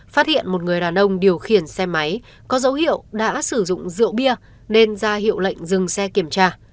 phát hiện một người đàn ông điều khiển xe máy có dấu hiệu đã sử dụng rượu bia nên ra hiệu lệnh dừng xe kiểm tra